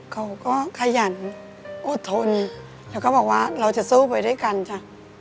เขาก็ขยันอดทนแล้วก็บอกว่าเราจะสู้ไปด้วยกันจ้ะ